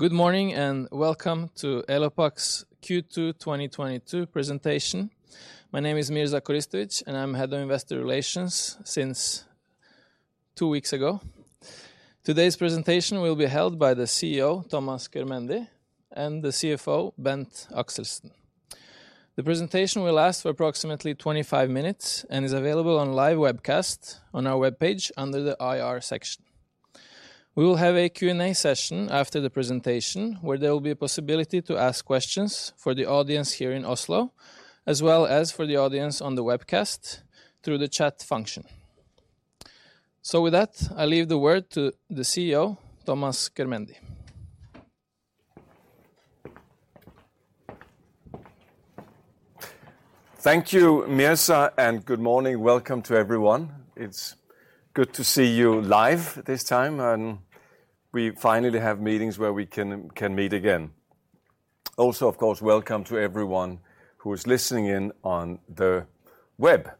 Good morning and Welcome to Elopak's Q2 2022 Presentation. My name is Mirza Koristovic and I'm Head of Investor Relations since two weeks ago. Today 's presentation will be held by the CEO, Thomas Körmendi, and the CFO, Bent Axelsen. The presentation will last for approximately 25 minutes and is available on live webcast on our webpage under the IR section. We will have a Q&A session after the presentation, where there will be a possibility to ask questions for the audience here in Oslo, as well as for the audience on the webcast through the chat function. With that, I leave the word to the CEO, Thomas Körmendi. Thank you, Mirza, and good morning. Welcome to everyone. It's good to see you live this time, and we finally have meetings where we can meet again. Also, of course, welcome to everyone who is listening in on the web.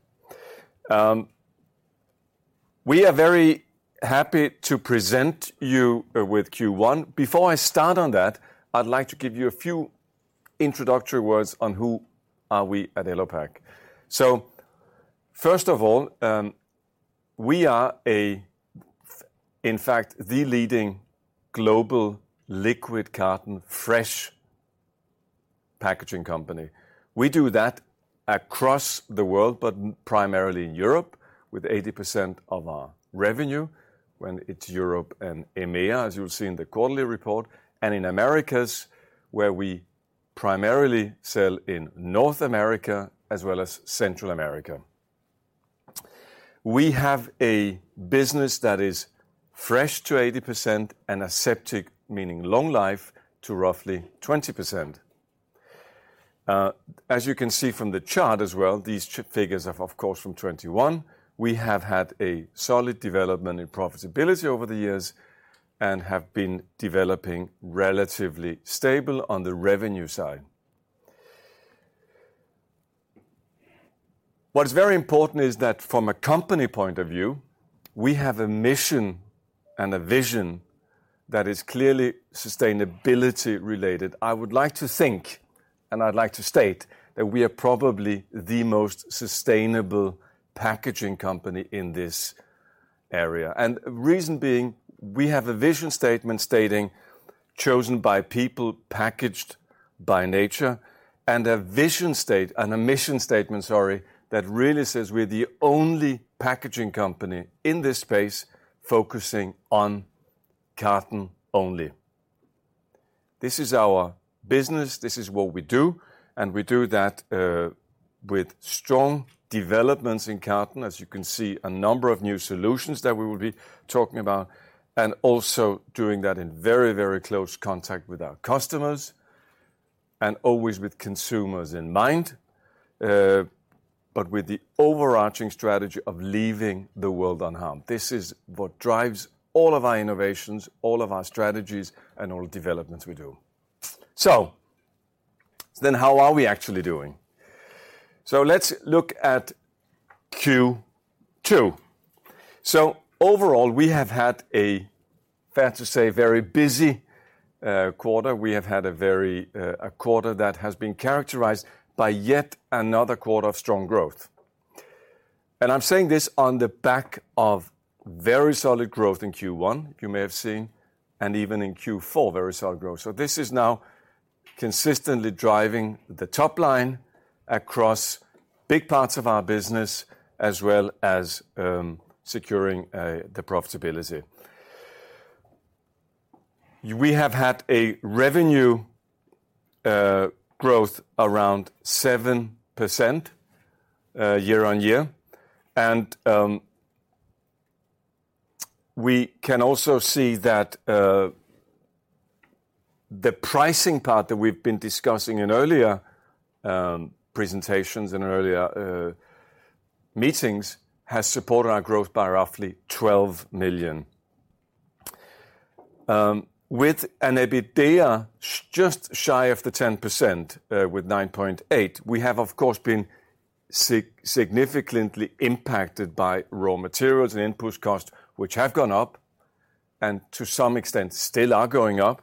We are very happy to present you with Q1. Before I start on that, I'd like to give you a few introductory words on who are we at Elopak. First of all, we are a, in fact, the leading Global liquid carton fresh packaging company. We do that across the world, but primarily in Europe with 80% of our revenue, when it's Europe and EMEA, as you'll see in the quarterly report, and in Americas, where we primarily sell in North America as well as Central America. We have a business that is fresh to 80% and aseptic, meaning long life, to roughly 20%. As you can see from the chart as well, these figures are of course from 2021. We have had a solid development in profitability over the years and have been developing relatively stable on the revenue side. What's very important is that from a company point of view, we have a mission and a vision that is clearly sustainability related. I would like to think, and I'd like to state, that we are probably the most sustainable packaging company in this area. Reason being, we have a vision statement stating, "Chosen by people, packaged by nature," and a mission statement, sorry, that really says we're the only packaging company in this space focusing on carton only. This is our business. This is what we do, and we do that with strong developments in carton, as you can see, a number of new solutions that we will be talking about, and also doing that in very, very close contact with our customers and always with consumers in mind, but with the overarching strategy of leaving the world unharmed. This is what drives all of our innovations, all of our strategies, and all developments we do. How are we actually doing? Let's look at Q2. Overall, we have had fair to say, very busy quarter. We have had a very quarter that has been characterized by yet another quarter of strong growth. I'm saying this on the back of very solid growth in Q1, you may have seen, and even in Q4, very solid growth. This is now consistently driving the top line across big parts of our business as well as securing the profitability. We have had a revenue growth around 7% year-on-year, and we can also see that the pricing part that we've been discussing in earlier presentations, in earlier meetings, has supported our growth by roughly 12 million. With an EBITDA just shy of the 10% with 9.8%, we have of course been significantly impacted by raw materials and input costs, which have gone up and to some extent still are going up.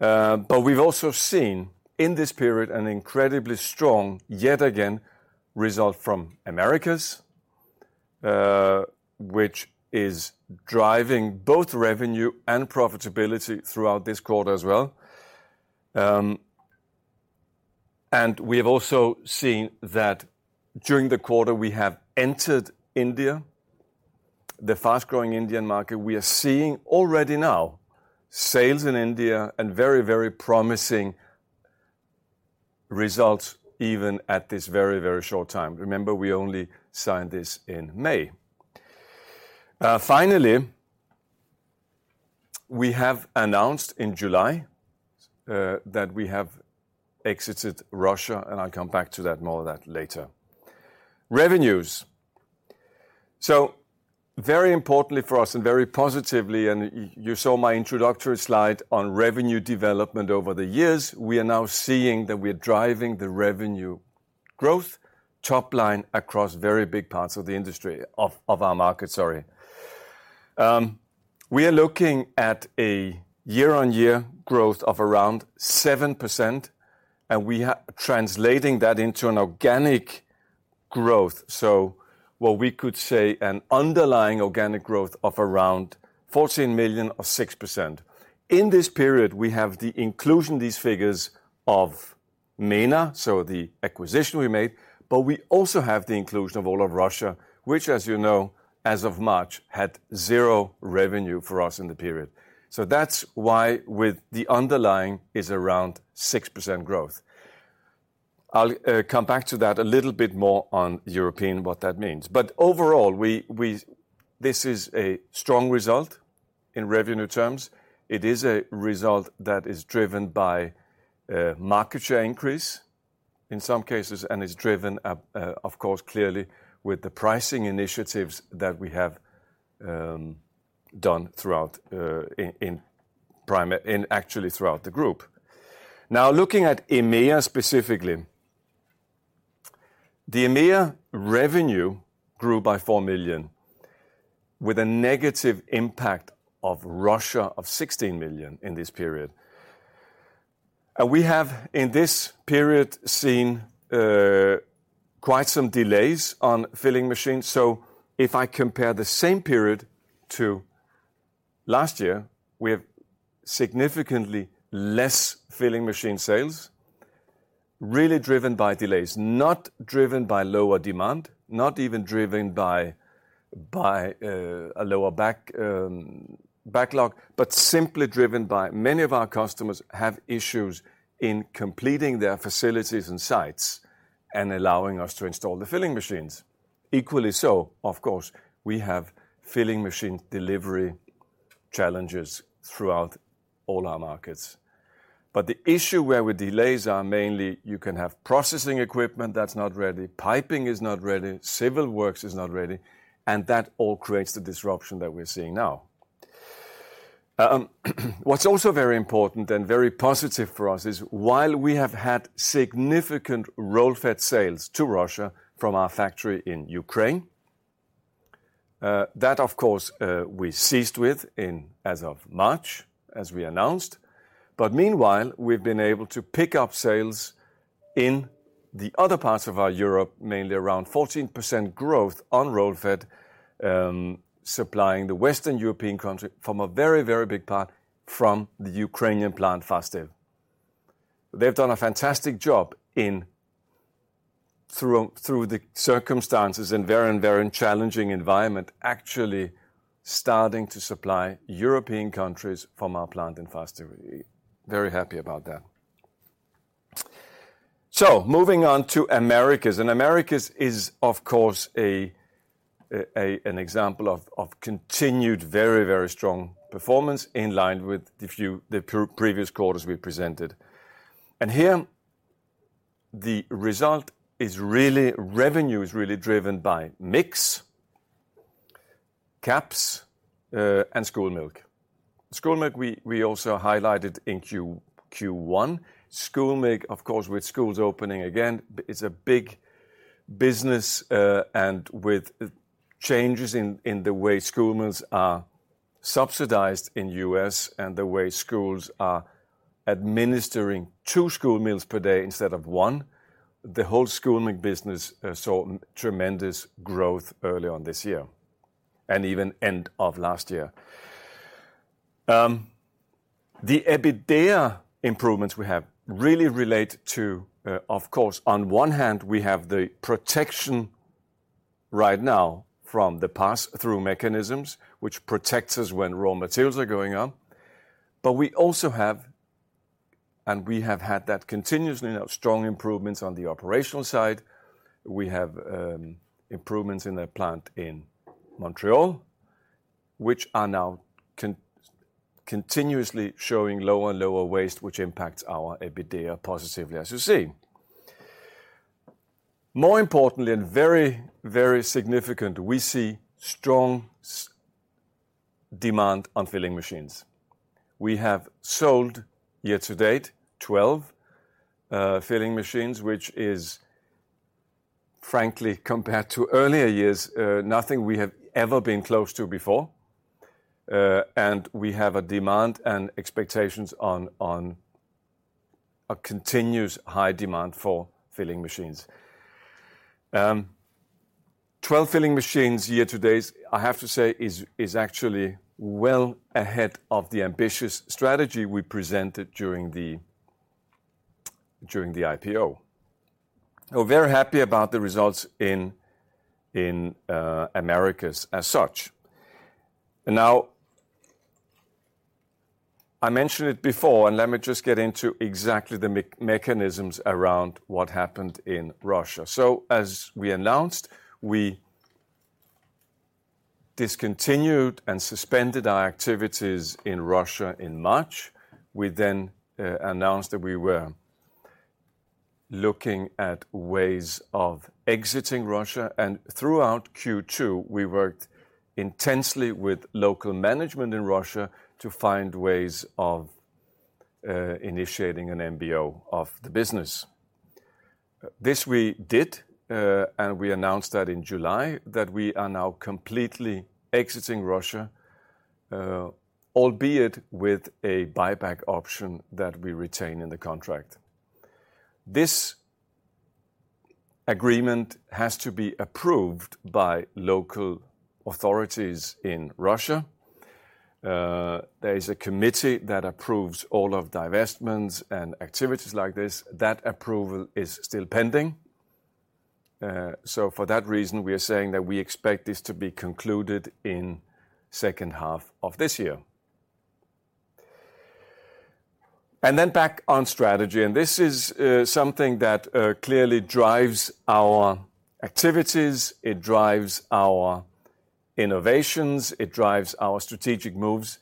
But we've also seen in this period an incredibly strong, yet again, result from Americas, which is driving both revenue and profitability throughout this quarter as well. We have also seen that during the quarter we have entered India, the fast-growing Indian market. We are seeing already now sales in India and very, very promising results even at this very, very short time. Remember, we only signed this in May. Finally, we have announced in July that we have exited Russia, and I'll come back to that, more of that later. Revenues. Very importantly for us and very positively, and you saw my introductory slide on revenue development over the years, we are now seeing that we are driving the revenue growth, top line across very big parts of the industry of our market, sorry. We are looking at a year-on-year growth of around 7%, and we have translating that into an organic growth, so what we could say an underlying organic growth of around 14 million or 6%. In this period, we have the inclusion of these figures of MENA, so the acquisition we made, but we also have the inclusion of all of Russia, which as you know, as of March, had 0 revenue for us in the period. That's why with the underlying is around 6% growth. I'll come back to that a little bit more on European, what that means. Overall, this is a strong result in revenue terms. It is a result that is driven by market share increase in some cases, and is driven up, of course, clearly with the pricing initiatives that we have done throughout, in actually throughout the group. Now, looking at EMEA specifically. The EMEA revenue grew by 4 million with a negative impact of Russia of 16 million in this period. We have, in this period, seen quite some delays on Filling Machines. If I compare the same period to last year, we have significantly less filling machine sales, really driven by delays, not driven by lower demand, not even driven by a lower backlog, but simply driven by many of our customers have issues in completing their facilities and sites and allowing us to install the filling machines. Equally so, of course, we have filling machine delivery challenges throughout all our markets. The issues with delays are mainly you can have processing equipment that's not ready, piping is not ready, civil works is not ready, and that all creates the disruption that we're seeing now. What's also very important and very positive for us is while we have had significant Roll Fed sales to Russia from our factory in Ukraine, that of course we ceased within as of March, as we announced. Meanwhile, we've been able to pick up sales in the other parts of our Europe, mainly around 14% growth on Roll Fed, supplying the Western European country from a very, very big part from the Ukrainian plant, Fastiv. They've done a fantastic job even through the circumstances in very, very challenging environment, actually starting to supply European countries from our plant in Fastiv. Very happy about that. Moving on to Americas. Americas is, of course, an example of continued very, very strong performance in line with the previous quarters we presented. Here the result is really, revenue is really driven by mix, caps, and school milk. School milk, we also highlighted in Q1. School milk, of course, with schools opening again, it's a big business, and with changes in the way school meals are subsidized in U.S. and the way schools are administering two school meals per day instead of one, the whole school milk business saw tremendous growth early on this year, and even end of last year. The EBITDA improvements we have really relate to, of course, on one hand, we have the protection right now from the Pass-through Mechanisms, which protects us when raw materials are going up. We also have, and we have had that continuously now, strong improvements on the operational side. We have improvements in the plant in Montreal, which are now continuously showing lower and lower waste, which impacts our EBITDA positively, as you see. More importantly, and very, very significant, we see strong demand on filling machines. We have sold year to date 12 filling machines, which is frankly, compared to earlier years, nothing we have ever been close to before. We have a demand and expectations on a continuous high demand for filling machines. 12 filling machines year to date, I have to say, is actually well ahead of the ambitious strategy we presented during the IPO. We're very happy about the results in Americas as such. Now, I mentioned it before, and let me just get into exactly the mechanisms around what happened in Russia. As we announced, we discontinued and suspended our activities in Russia in March. We announced that we were looking at ways of exiting Russia. Throughout Q2, we worked intensely with local management in Russia to find ways of initiating an MBO of the business. This we did, and we announced that in July that we are now completely exiting Russia, albeit with a buyback option that we retain in the contract. This agreement has to be approved by local authorities in Russia. There is a committee that approves all of divestments and activities like this. That approval is still pending. For that reason, we are saying that we expect this to be concluded in second half of this year. Then back on strategy, and this is something that clearly drives our activities, it drives our innovations, it drives our strategic moves,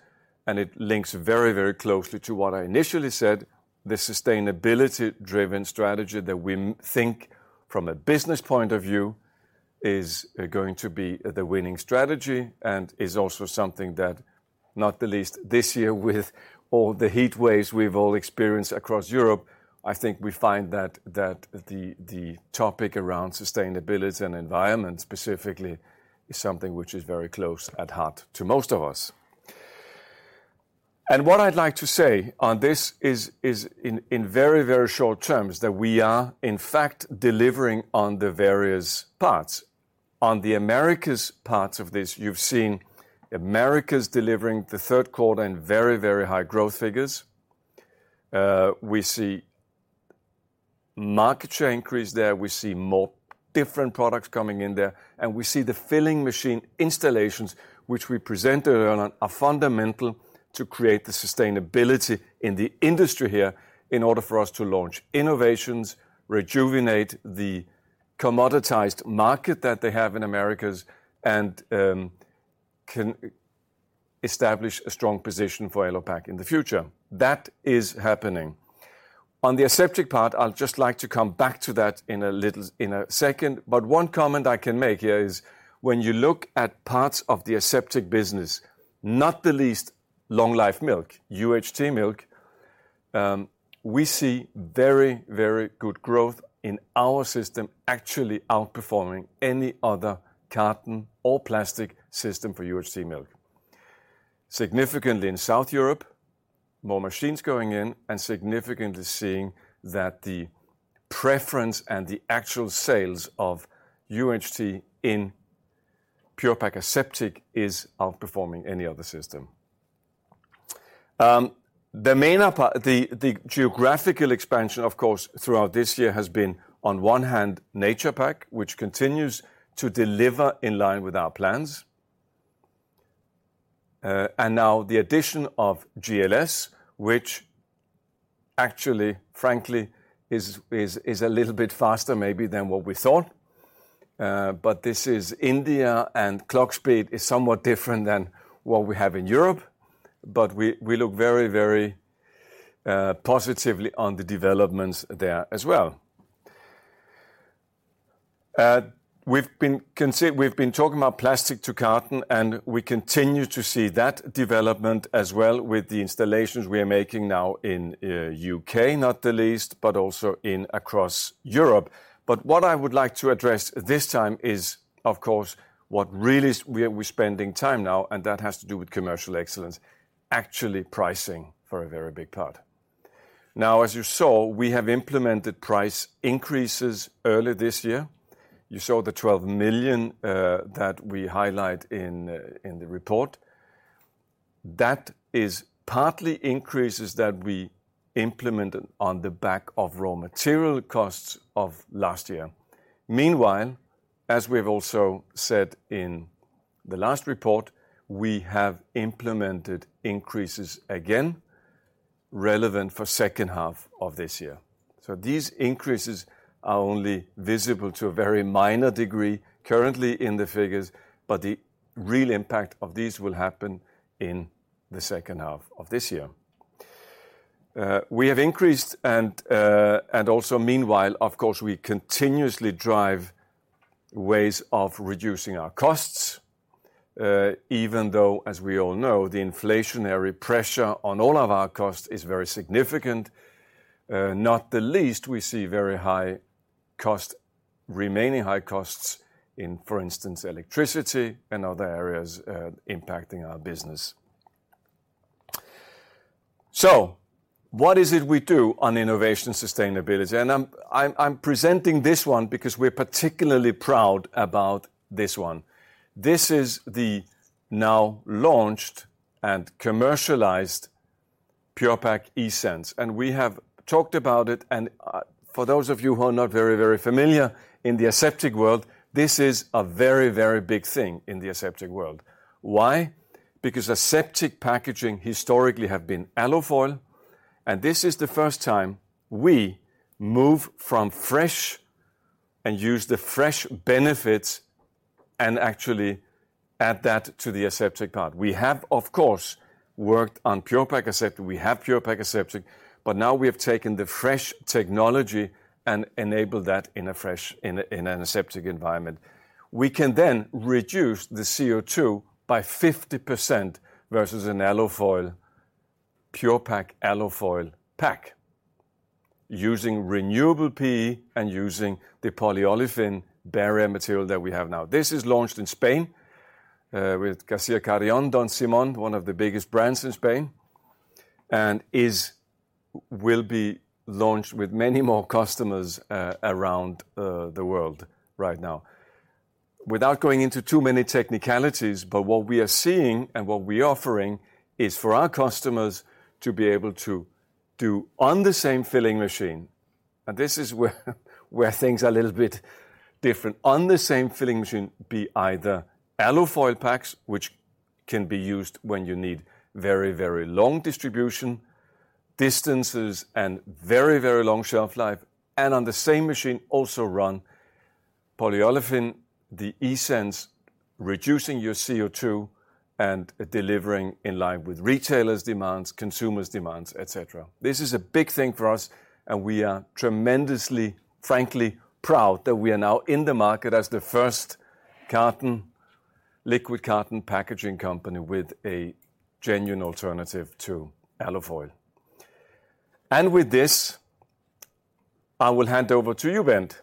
and it links very, very closely to what I initially said, the sustainability-driven strategy that we think from a business point of view is going to be the winning strategy and is also something that, not the least this year with all the heatwaves we've all experienced across Europe, I think we find that the topic around sustainability and environment specifically is something which is very close at heart to most of us. What I'd like to say on this is in very, very short terms, that we are in fact delivering on the various parts. On the Americas parts of this, you've seen Americas delivering the third quarter in very, very high growth figures. We see market share increase there. We see more different products coming in there, and we see the filling machine installations which we presented earlier on are fundamental to create the sustainability in the industry here in order for us to launch innovations, rejuvenate the commoditized market that they have in Americas, and can establish a strong position for Elopak in the future. That is happening. On the aseptic part, I'll just like to come back to that in a little, in a second, but one comment I can make here is when you look at parts of the aseptic business, not the least long life milk, UHT milk, we see very, very good growth in our system actually outperforming any other carton or plastic system for UHT milk. Significantly in South Europe, more machines going in and significantly seeing that the preference and the actual sales of UHT in Pure-Pak aseptic is outperforming any other system. The geographical expansion, of course, throughout this year has been, on one hand, Naturepak, which continues to deliver in line with our plans. Now the addition of GLS, which actually, frankly, is a little bit faster maybe than what we thought. This is India, and clock speed is somewhat different than what we have in Europe. We look very positively on the developments there as well. We've been talking about plastic to carton, and we continue to see that development as well with the installations we are making now in U.K, not the least, but also and across Europe. What I would like to address this time is, of course, what really we are, we're spending time now, and that has to do with commercial excellence, actually pricing for a very big part. Now, as you saw, we have implemented price increases early this year. You saw the 12 million that we highlight in the report. That is partly increases that we implemented on the back of raw material costs of last year. Meanwhile, as we have also said in the last report, we have implemented increases again relevant for second half of this year. These increases are only visible to a very minor degree currently in the figures, but the real impact of these will happen in the second half of this year. We have increased and also meanwhile, of course, we continuously drive ways of reducing our costs, even though, as we all know, the inflationary pressure on all of our costs is very significant. Not the least, we see very high cost, remaining high costs in, for instance, electricity and other areas, impacting our business. What is it we do on innovation sustainability? I'm presenting this one because we're particularly proud about this one. This is the now launched and commercialized Pure-Pak eSense, and we have talked about it and, for those of you who are not very, very familiar in the aseptic world, this is a very, very big thing in the aseptic world. Why? Because aseptic packaging historically have been alufoil, and this is the first time we move from fresh and use the fresh benefits and actually add that to the aseptic part. We have, of course, worked on Pure-Pak aseptic. We have Pure-Pak aseptic, but now we have taken the fresh technology and enabled that in an aseptic environment. We can then reduce the CO2 by 50% versus an alufoil, Pure-Pak alufoil pack using renewable PE and using the polyolefin barrier material that we have now. This is launched in Spain with García Carrión Don Simón, one of the biggest brands in Spain, and will be launched with many more customers around the world right now. Without going into too many technicalities, but what we are seeing and what we're offering is for our customers to be able to do on the same filling machine, and this is where things are a little bit different, on the same filling machine be either alufoil packs, which can be used when you need very, very long distribution distances and very, very long shelf life, and on the same machine also run polyolefin, the eSense, reducing your CO2 and delivering in line with retailers' demands, consumers' demands, et cetera. This is a big thing for us, and we are tremendously, frankly, proud that we are now in the market as the first carton, liquid carton packaging company with a genuine alternative to alufoil. With this, I will hand over to you, Bent.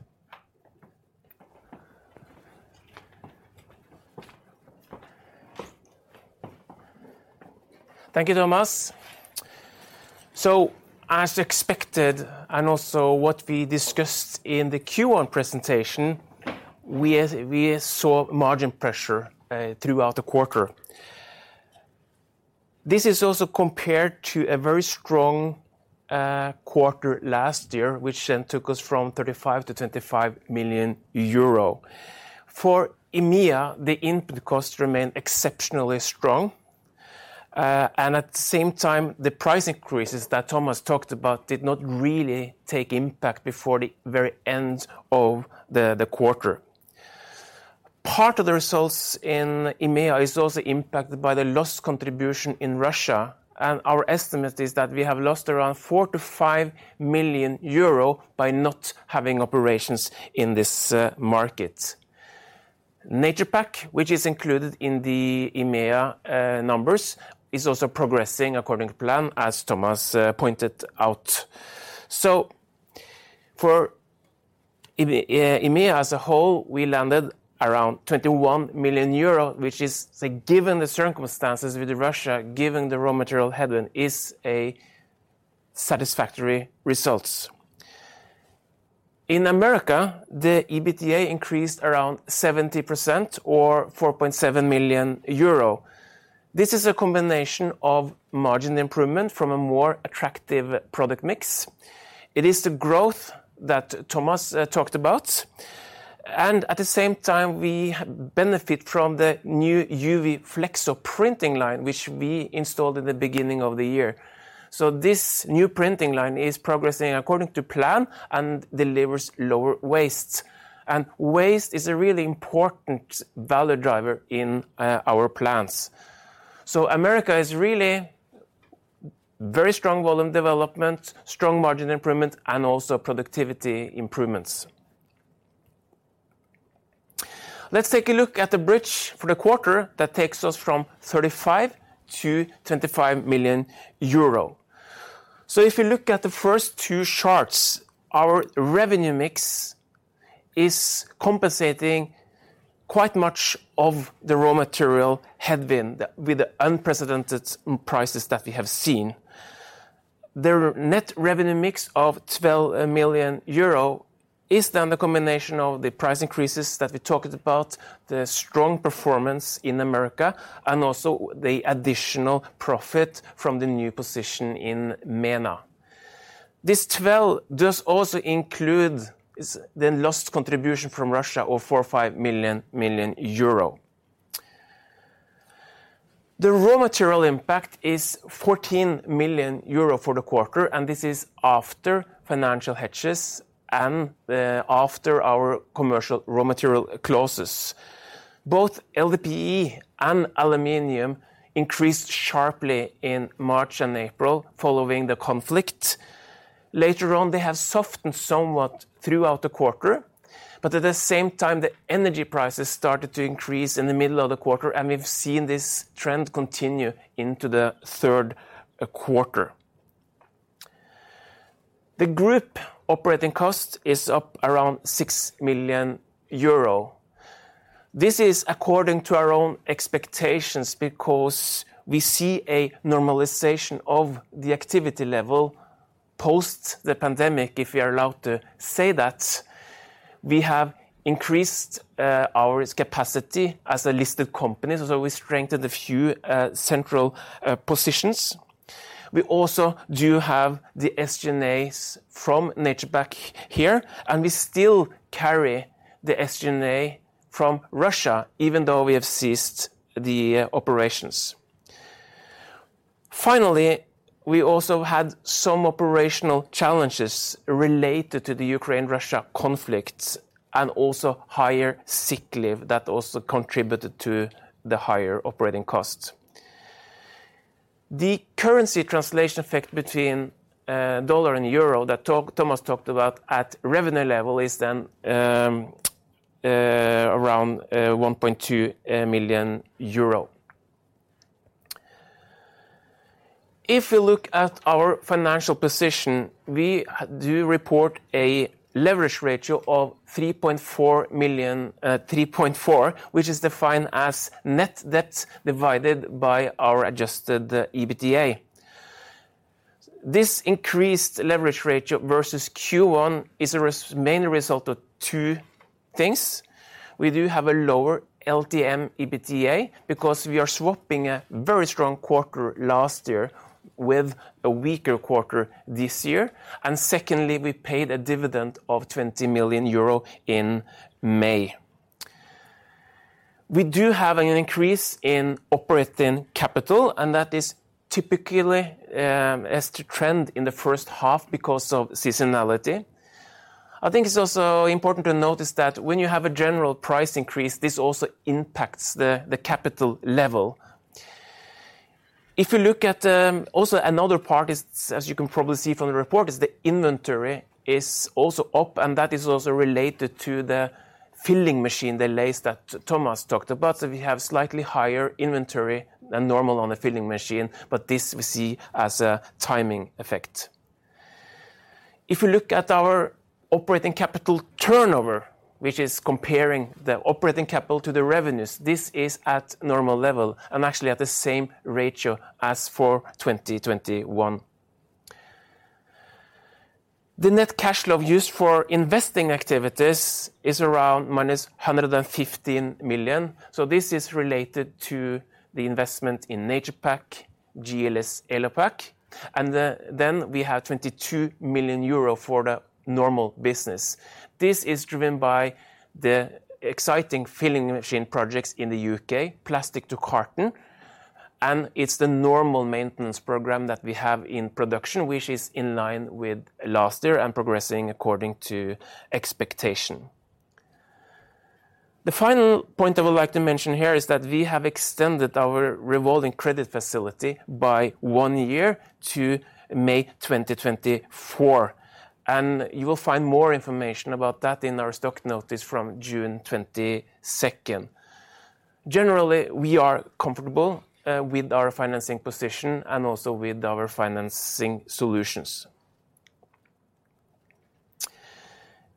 Thank you, Thomas. As expected, and also what we discussed in the Q1 presentation, we saw margin pressure throughout the quarter. This is also compared to a very strong quarter last year, which then took us from 35 million-25 million euro. For EMEA, the input costs remained exceptionally strong, and at the same time, the price increases that Thomas talked about did not really take impact before the very end of the quarter. Part of the results in EMEA is also impacted by the lost contribution in Russia, and our estimate is that we have lost around 4 million-5 million euro by not having operations in this market. Naturepak, which is included in the EMEA numbers, is also progressing according to plan, as Thomas pointed out. For EMEA as a whole, we landed around 21 million euros, which is, say, given the circumstances with Russia, given the raw material headwind, a satisfactory result. In America, the EBITDA increased around 70% or 4.7 million euro. This is a combination of margin improvement from a more attractive product mix. It is the growth that Thomas talked about, and at the same time, we benefit from the new UV flexo printing line, which we installed in the beginning of the year. This new printing line is progressing according to plan and delivers lower waste. Waste is a really important value driver in our plans. America is really very strong volume development, strong margin improvement, and also productivity improvements. Let's take a look at the bridge for the quarter that takes us from 35 million-25 million euro. If you look at the first two charts, our revenue mix is compensating quite much of the raw material headwind with the unprecedented prices that we have seen. The net revenue mix of 12 million euro is then the combination of the price increases that we talked about, the strong performance in America, and also the additional profit from the new position in MENA. This twelve does also include the lost contribution from Russia of 4 million-5 million. The raw material impact is 14 million euro for the quarter, and this is after financial hedges and after our commercial raw material clauses. Both LDPE and aluminum increased sharply in March and April following the conflict. Later on, they have softened somewhat throughout the quarter, but at the same time, the energy prices started to increase in the middle of the quarter, and we've seen this trend continue into the third quarter. The group operating cost is up around 6 million euro. This is according to our own expectations because we see a normalization of the activity level post the pandemic, if we are allowed to say that. We have increased our capacity as a listed company, so we strengthened a few central positions. We also do have the SG&As from Naturepak here, and we still carry the SG&A from Russia, even though we have ceased the operations. Finally, we also had some operational challenges related to the Ukraine-Russia conflict and also higher sick leave that also contributed to the higher operating costs. The currency translation effect between dollar and euro that Thomas talked about at revenue level is then around EUR 1.2 million. If you look at our financial position, we do report a leverage ratio of 3.4x, which is defined as net debt divided by our adjusted EBITDA. This increased leverage ratio versus Q1 is mainly a result of two things. We do have a lower LTM EBITDA because we are swapping a very strong quarter last year with a weaker quarter this year. Secondly, we paid a dividend of 20 million euro in May. We do have an increase in operating capital, and that is typically as is the trend in the first half because of seasonality. I think it's also important to notice that when you have a general price increase, this also impacts the capital level. If you look at another part, as you can probably see from the report, the inventory is also up, and that is also related to the filling machine delays that Thomas talked about. We have slightly higher inventory than normal on the filling machine, but this we see as a timing effect. If we look at our operating capital turnover, which is comparing the operating capital to the revenues, this is at normal level and actually at the same ratio as for 2021. The net cash flow used for investing activities is around -115 million. This is related to the investment in Naturepak, GLS Elopak, and then we have 22 million euro for the normal business. This is driven by the exciting filling machine projects in the U.K, plastic to carton, and it's the normal maintenance program that we have in production, which is in line with last year and progressing according to expectation. The final point I would like to mention here is that we have extended our revolving credit facility by one year to May 2024, and you will find more information about that in our stock notice from June 22nd. Generally, we are comfortable with our financing position and also with our financing solutions.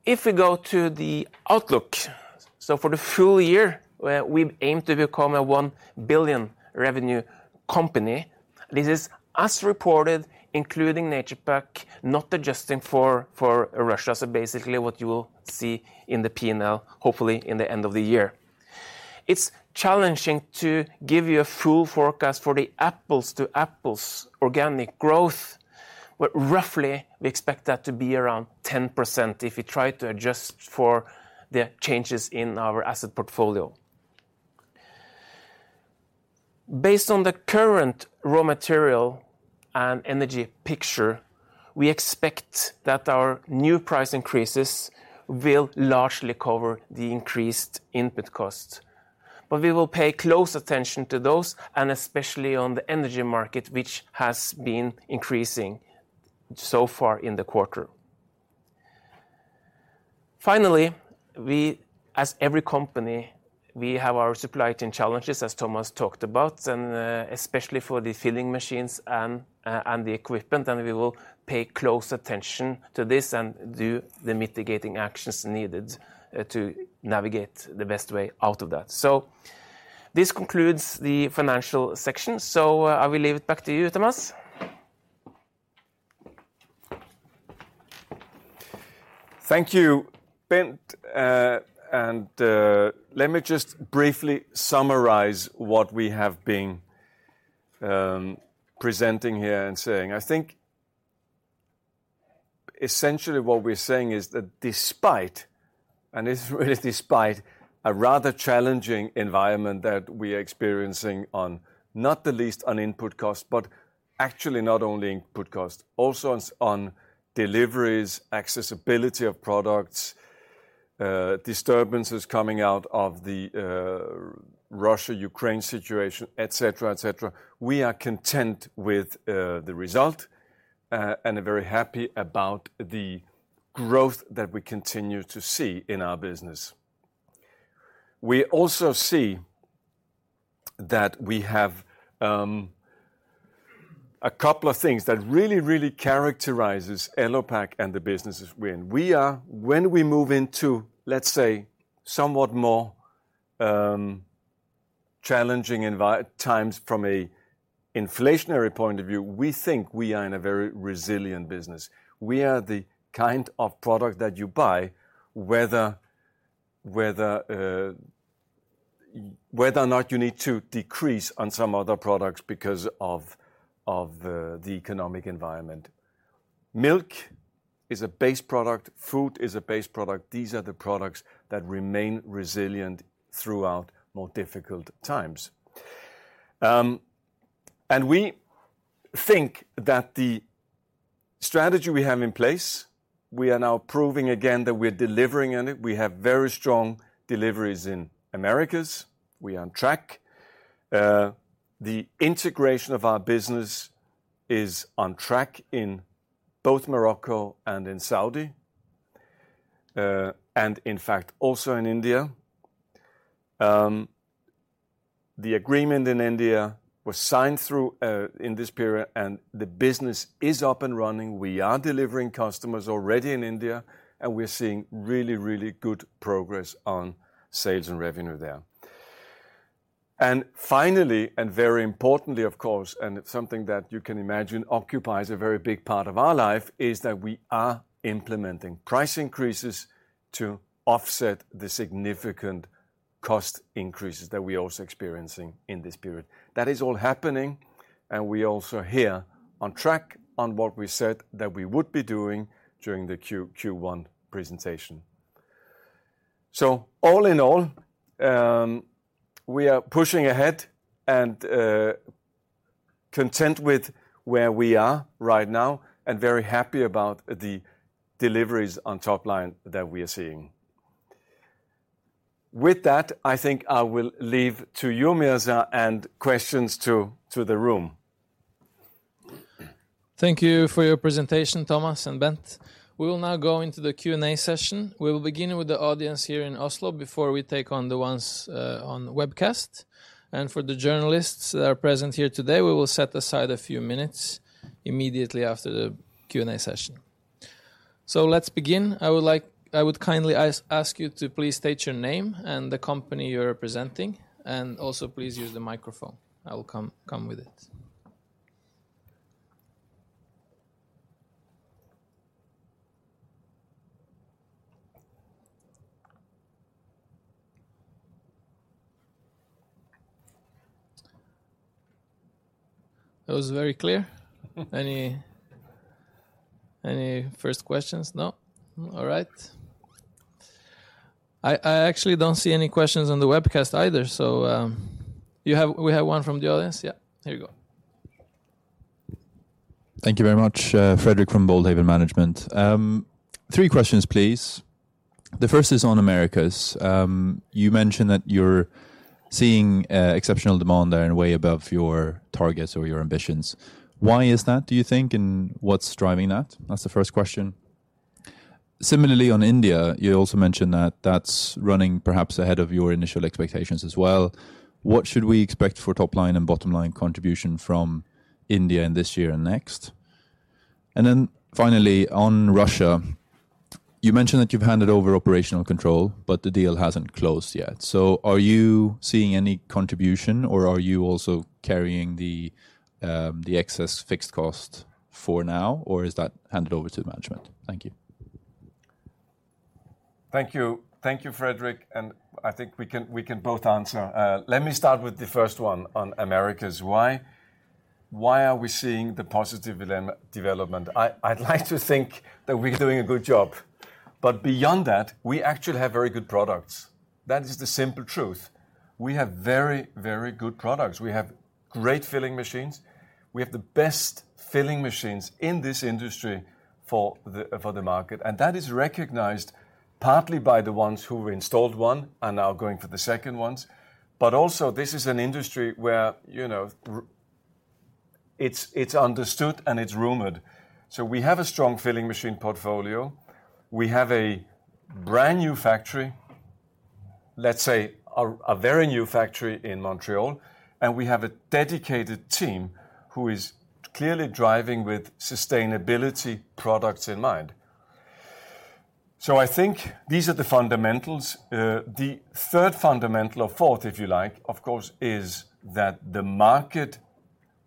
If we go to the outlook, for the full year, we aim to become a 1 billion revenue company. This is as reported, including Naturepak, not adjusting for Russia. Basically what you will see in the P&L, hopefully in the end of the year. It's challenging to give you a full forecast for the apples-to-apples organic growth, but roughly we expect that to be around 10% if we try to adjust for the changes in our asset portfolio. Based on the current raw material and energy picture, we expect that our new price increases will largely cover the increased input costs. We will pay close attention to those, and especially on the energy market, which has been increasing so far in the quarter. Finally, we, as every company, have our supply chain challenges, as Thomas talked about, and especially for the filling machines and the equipment, and we will pay close attention to this and do the mitigating actions needed to navigate the best way out of that. This concludes the financial section. I will leave it back to you, Thomas. Thank you, Bent. Let me just briefly summarize what we have been presenting here and saying. I think essentially what we're saying is that despite, it's really despite a rather challenging environment that we're experiencing on, not the least on input costs, but actually not only input costs, also on deliveries, accessibility of products, disturbances coming out of the Russia-Ukraine situation, et cetera, we are content with the result and are very happy about the growth that we continue to see in our business. We also see that we have a couple of things that really characterizes Elopak and the businesses we're in. When we move into, let's say, somewhat more challenging times from an inflationary point of view, we think we are in a very resilient business. We are the kind of product that you buy, whether or not you need to decrease on some other products because of the economic environment. Milk is a base product. Food is a base product. These are the products that remain resilient throughout more difficult times. We think that the strategy we have in place, we are now proving again that we're delivering on it. We have very strong deliveries in Americas. We're on track. The integration of our business is on track in both Morocco and in Saudi, and in fact, also in India. The agreement in India was signed in this period, and the business is up and running. We are delivering customers already in India, and we're seeing really good progress on sales and revenue there. Finally, and very importantly, of course, and it's something that you can imagine occupies a very big part of our life, is that we are implementing price increases to offset the significant cost increases that we're also experiencing in this period. That is all happening, and we are also on track on what we said that we would be doing during the Q1 presentation. All in all, we are pushing ahead and content with where we are right now and very happy about the deliveries on top line that we are seeing. With that, I think I will leave it to you, Mirza, and questions to the room. Thank you for your presentation, Thomas and Bent. We will now go into the Q&A session. We will begin with the audience here in Oslo before we take on the ones on the webcast. For the journalists that are present here today, we will set aside a few minutes immediately after the Q&A session. Let's begin. I would kindly ask you to please state your name and the company you're representing, and also please use the microphone. I will come with it. That was very clear. Any first questions? No? All right. I actually don't see any questions on the webcast either. We have one from the audience. Yeah. Here you go. Thank you very much. Frederick from Boldhaven Management. Three questions, please. The first is on Americas. You mentioned that you're seeing exceptional demand there and way above your targets or your ambitions. Why is that, do you think? And what's driving that? That's the first question. Similarly, on India, you also mentioned that that's running perhaps ahead of your initial expectations as well. What should we expect for top line and bottom line contribution from India in this year and next? And then finally, on Russia, you mentioned that you've handed over operational control, but the deal hasn't closed yet. Are you seeing any contribution, or are you also carrying the excess fixed cost for now, or is that handed over to the management? Thank you. Thank you. Thank you, Frederick, and I think we can both answer. Let me start with the first one on Americas. Why? Why are we seeing the positive development? I'd like to think that we're doing a good job. Beyond that, we actually have very good products. That is the simple truth. We have very, very good products. We have great filling machines. We have the best filling machines in this industry for the market, and that is recognized partly by the ones who installed one and now going for the second ones. This is an industry where, you know, it's understood and it's rumored. We have a strong filling machine portfolio. We have a brand-new factory, let's say a very new factory in Montreal, and we have a dedicated team who is clearly driving with sustainability products in mind. I think these are the fundamentals. The third fundamental or fourth, if you like, of course, is that the market,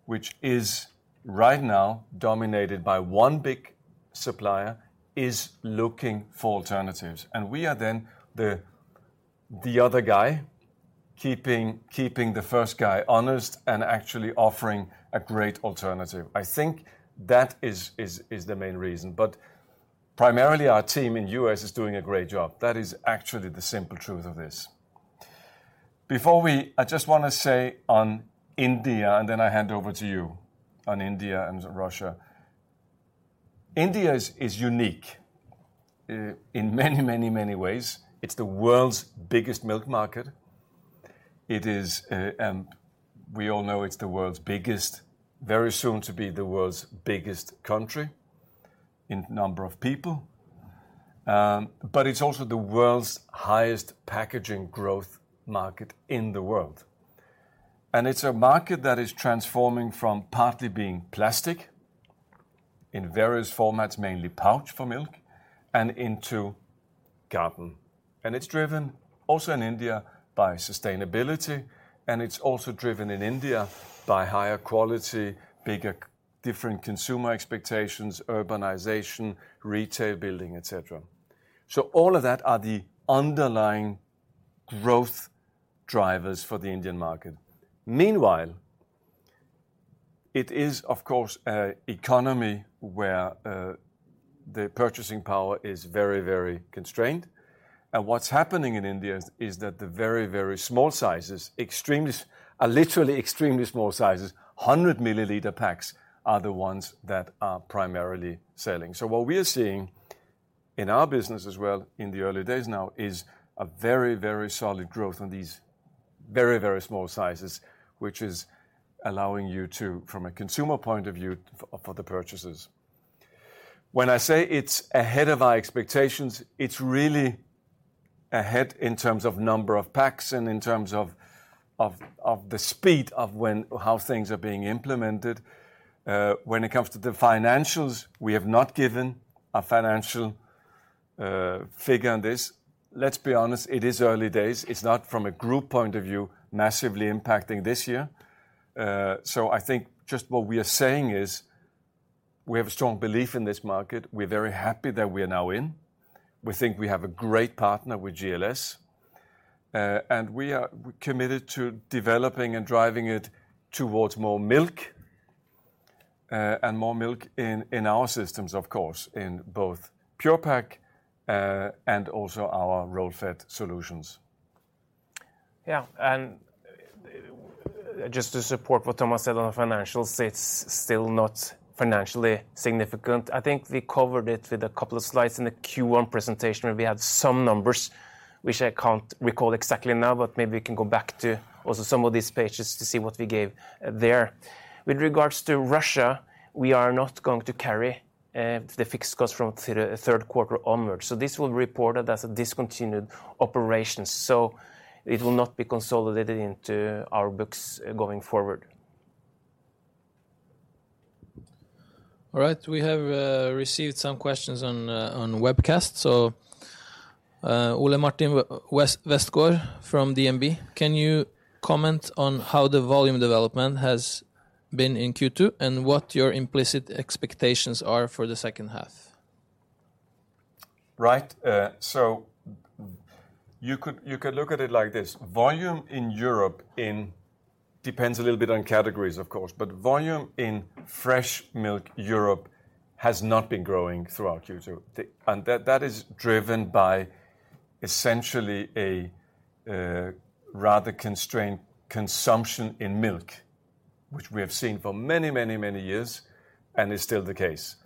which is right now dominated by one big supplier, is looking for alternatives. We are then the other guy keeping the first guy honest and actually offering a great alternative. I think that is the main reason. Primarily our team in U.S. is doing a great job. That is actually the simple truth of this. Before we, I just want to say on India, and then I hand over to you on India and Russia. India is unique in many ways. It's the world's biggest milk market. It is we all know it's the world's biggest, very soon to be the world's biggest country in number of people. It's also the world's highest packaging growth market in the world. It's a market that is transforming from partly being plastic in various formats, mainly pouch for milk, and into carton. It's driven also in India by sustainability, and it's also driven in India by higher quality, bigger, different consumer expectations, urbanization, retail building, et cetera. All of that are the underlying growth drivers for the Indian market. Meanwhile, it is of course an economy where the purchasing power is very, very constrained. What's happening in India is that the very, very small sizes are literally extremely small sizes, 100 ml packs are the ones that are primarily selling. What we are seeing in our business as well in the early days now is a very, very solid growth on these very, very small sizes, which is allowing you to, from a consumer point of view, for the purchases. When I say it's ahead of our expectations, it's really ahead in terms of number of packs and in terms of the speed of when or how things are being implemented. When it comes to the financials, we have not given a financial figure on this. Let's be honest, it is early days. It's not from a group point of view massively impacting this year. I think just what we are saying is we have a strong belief in this market. We're very happy that we are now in. We think we have a great partner with GLS, and we are committed to developing and driving it towards more milk, and more milk in our systems of course, in both Pure-Pak, and also our Roll-Fed solutions. Yeah. Just to support what Thomas said on the financials, it's still not financially significant. I think we covered it with a couple of slides in the Q1 presentation where we had some numbers, which I can't recall exactly now, but maybe we can go back to also some of these pages to see what we gave there. With regards to Russia, we are not going to carry the fixed costs from third quarter onwards. This will be reported as a discontinued operation, so it will not be consolidated into our books going forward. All right. We have received some questions on webcast. Ole Martin Westgaard from DNB, can you comment on how the volume development has been in Q2 and what your implicit expectations are for the second half? Right. You could look at it like this. Volume in Europe depends a little bit on categories of course, but volume in fresh milk Europe has not been growing throughout Q2. That is driven by essentially a rather constrained consumption in milk, which we have seen for many years, and is still the case.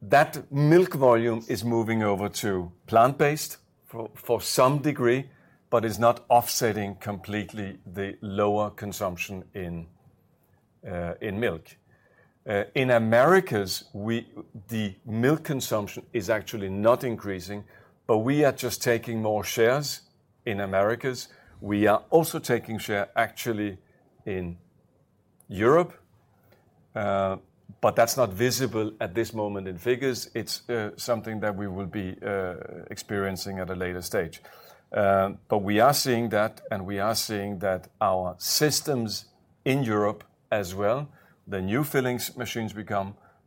That milk volume is moving over to plant-based to some degree, but is not offsetting completely the lower consumption in milk. In Americas, the milk consumption is actually not increasing, but we are just taking more shares in Americas. We are also taking share actually in Europe, but that's not visible at this moment in figures. It's something that we will be experiencing at a later stage. We are seeing that our systems in Europe as well, the new filling machines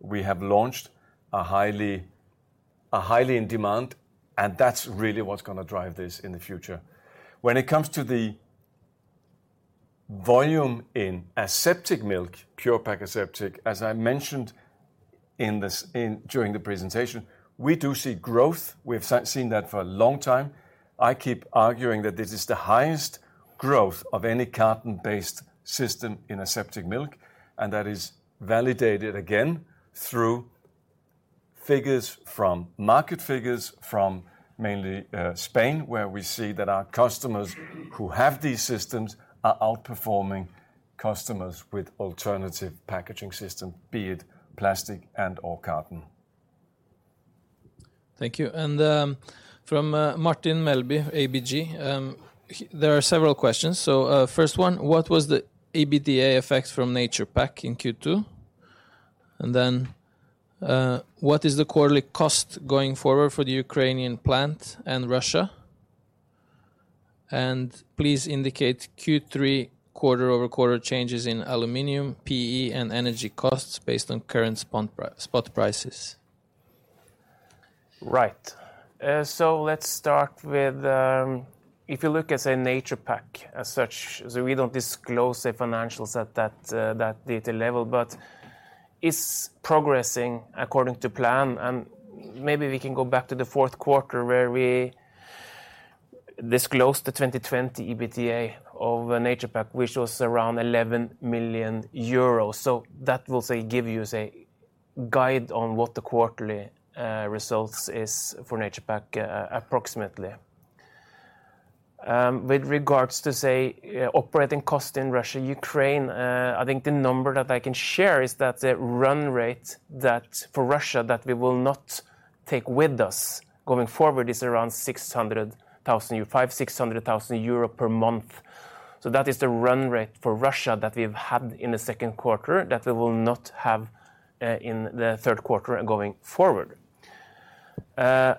we have launched are highly in demand, and that's really what's gonna drive this in the future. When it comes to the volume in aseptic milk, Pure-Pak aseptic, as I mentioned during the presentation, we do see growth. We've seen that for a long time. I keep arguing that this is the highest growth of any carton-based system in aseptic milk, and that is validated again through figures from market figures from mainly Spain, where we see that our customers who have these systems are outperforming customers with alternative packaging system, be it plastic and/or carton. Thank you. From Martin Melbye, ABG, there are several questions. First one, what was the EBITDA effect from Naturepak in Q2? Then, what is the quarterly cost going forward for the Ukrainian plant and Russia? Please indicate Q3 quarter-over-quarter changes in aluminum, PE and energy costs based on current spot prices. Right. So let's start with if you look at Naturepak as such, so we don't disclose the financials at that detail level, but it's progressing according to plan. Maybe we can go back to the fourth quarter, where we disclosed the 2020 EBITDA of Naturepak, which was around 11 million euros. That will say give you say guide on what the quarterly results is for Naturepak approximately. With regards to operating cost in Russia and Ukraine, I think the number that I can share is that the run rate for Russia that we will not take with us going forward is around 500,000-600,000 euro per month. That is the run rate for Russia that we've had in the second quarter that we will not have in the third quarter going forward.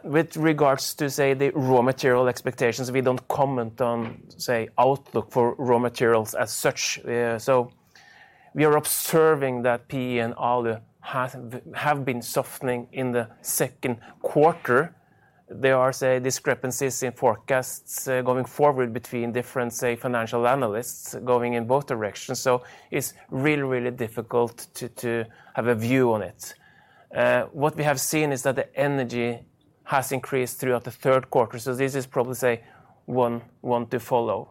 With regards to, say, the raw material expectations, we don't comment on, say, outlook for raw materials as such. We are observing that PE and Alu have been softening in the second quarter. There are, say, discrepancies in forecasts going forward between different, say, financial analysts going in both directions. It's really, really difficult to have a view on it. What we have seen is that the energy has increased throughout the third quarter. This is probably, say, one to follow.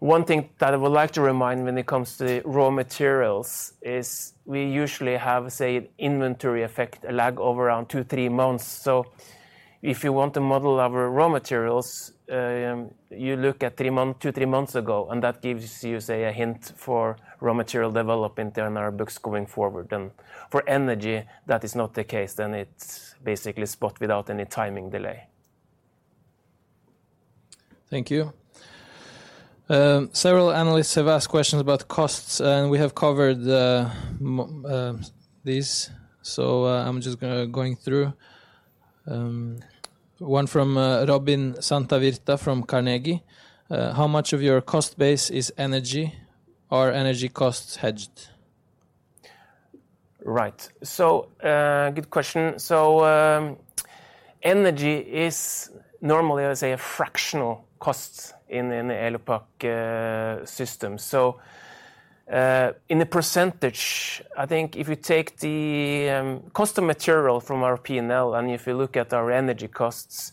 One thing that I would like to remind when it comes to raw materials is we usually have, say, inventory effect lag over around two, three months. If you want to model our raw materials, you look at two, three months ago, and that gives you, say, a hint for raw material development in our books going forward. For energy, that is not the case, then it's basically spot without any timing delay. Thank you. Several analysts have asked questions about costs, and we have covered these. I'm just going through. One from Robin Santavirta from Carnegie, "How much of your cost base is energy? Are energy costs hedged? Right. Good question. Energy is normally, let's say, a fractional cost in Elopak system. In the percentage, I think if you take the cost of material from our P&L, and if you look at our energy costs,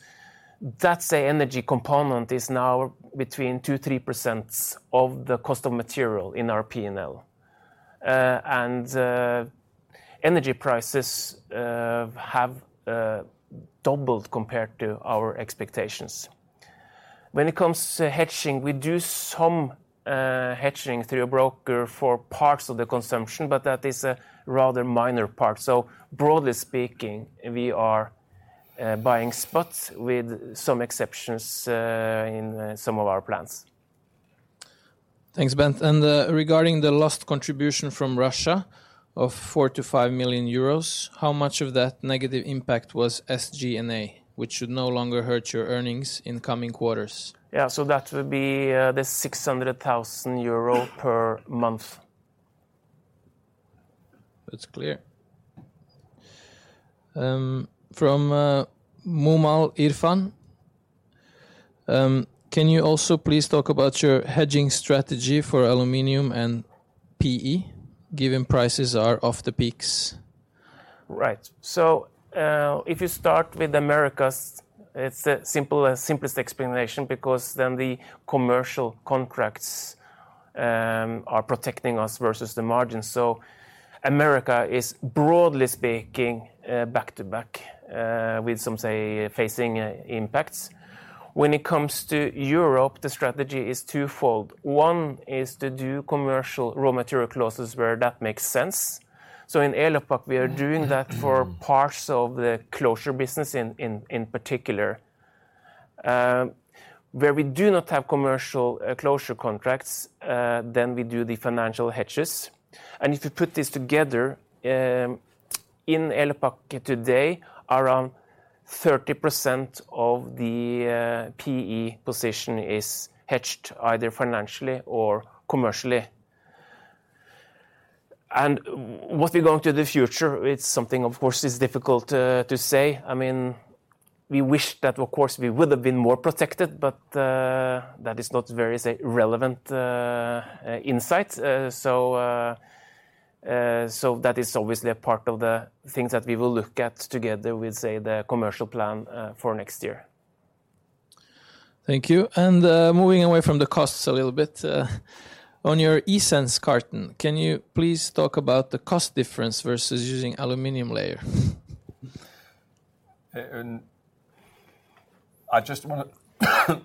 that energy component is now between 2%-3% of the cost of material in our P&L. Energy prices have doubled compared to our expectations. When it comes to hedging, we do some hedging through a broker for parts of the consumption, but that is a rather minor part. Broadly speaking, we are buying spots with some exceptions in some of our plants. Thanks, Bent. Regarding the lost contribution from Russia of 4 million-5 million euros, how much of that negative impact was SG&A, which should no longer hurt your earnings in coming quarters? Yeah. That would be the 600 thousand euro per month. That's clear. From Mumal Irfan, "Can you also please talk about your hedging strategy for aluminum and PE, given prices are off the peaks? Right. If you start with Americas, it's the simplest explanation because then the commercial contracts are protecting us versus the margins. America is broadly speaking, back-to-back, with some, say, facing impacts. When it comes to Europe, the strategy is twofold. One is to do commercial raw material clauses where that makes sense. In Elopak, we are doing that for parts of the closure business in particular. Where we do not have commercial closure contracts, then we do the financial hedges. If you put this together, in Elopak today, around 30% of the PE position is hedged either financially or commercially. What we go into the future, it's something, of course, is difficult to say. I mean, we wish that, of course, we would have been more protected, but that is not very, say, relevant insight. So that is obviously a part of the things that we will look at together with, say, the commercial plan for next year. Thank you. Moving away from the costs a little bit, on your eSense carton, can you please talk about the cost difference versus using aluminum layer? I just wanna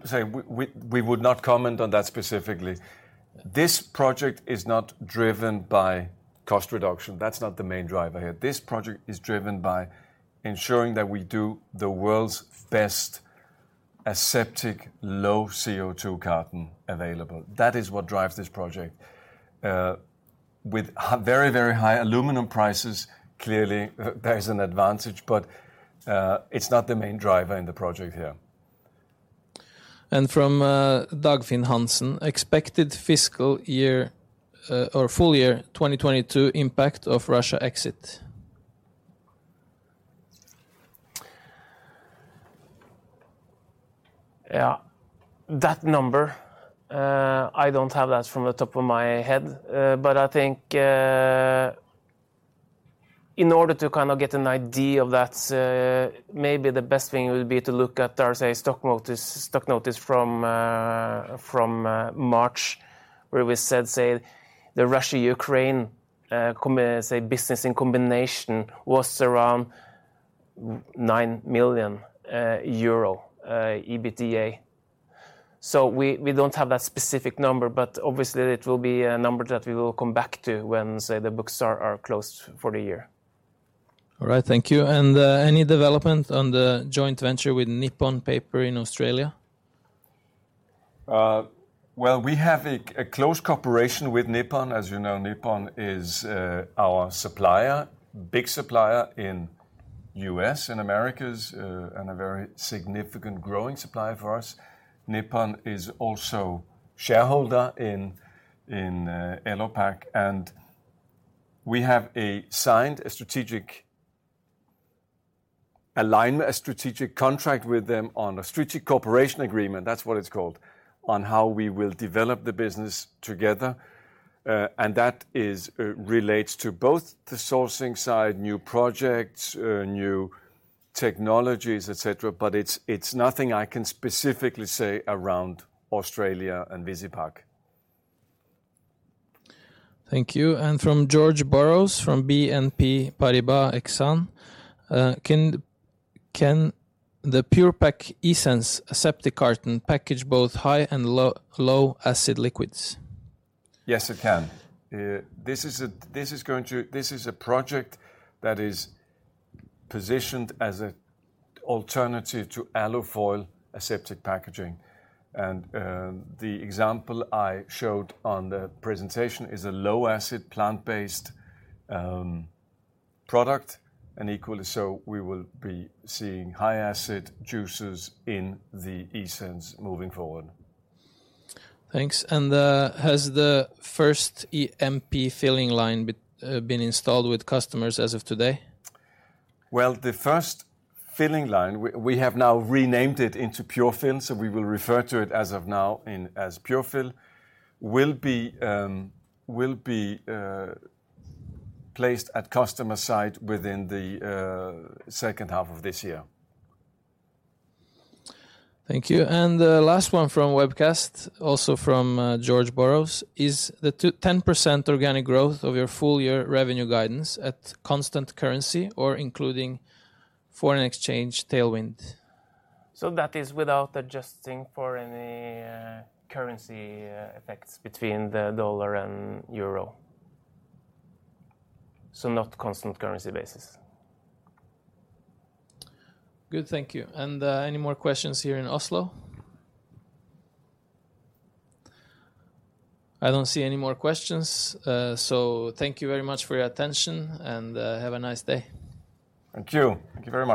say we would not comment on that specifically. This project is not driven by cost reduction. That's not the main driver here. This project is driven by ensuring that we do the world's best aseptic low CO2 carton available. That is what drives this project. With very, very high aluminum prices, clearly there's an advantage, but it's not the main driver in the project here. From Dagfinn Hansen, expected fiscal year or full year 2022 impact of Russia exit. Yeah. That number, I don't have that from the top of my head. But I think in order to kind of get an idea of that, maybe the best thing would be to look at our stock notice from March, where we said the Russia-Ukraine business in combination was around 9 million euro EBITDA. We don't have that specific number, but obviously it will be a number that we will come back to when the books are closed for the year. All right, thank you. Any development on the joint venture with Nippon Paper in Australia? We have a close cooperation with Nippon. As you know, Nippon is our supplier, big supplier in U.S., in Americas, and a very significant growing supplier for us. Nippon is also shareholder in Elopak, and we have signed a strategic alignment, a strategic contract with them on a strategic cooperation agreement, that's what it's called, on how we will develop the business together. And that relates to both the sourcing side, new projects, new technologies, et cetera. It's nothing I can specifically say around Australia and Visy. Thank you. From George Burrows from BNP Paribas Exane. Can the Pure-Pak eSense aseptic carton package both high and low acid liquids? Yes, it can. This is a project that is positioned as an alternative to alufoil aseptic packaging. The example I showed on the presentation is a low-acid plant-based product, and equally so, we will be seeing high-acid juices in the eSense moving forward. Thanks. Has the first EMP filling line been installed with customers as of today? Well, the first filling line, we have now renamed it into Pure-fill, so we will refer to it as of now in as Pure-fill, will be placed at customer site within the second half of this year. Thank you. The last one from webcast, also from George Burrows. Is the 10% organic growth of your full year revenue guidance at constant currency or including foreign exchange tailwind? That is without adjusting for any currency effects between the dollar and euro. Not constant currency basis. Good, thank you. Any more questions here in Oslo? I don't see any more questions, so thank you very much for your attention and have a nice day. Thank you. Thank you very much.